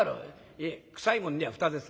「いえ臭い物には蓋です」。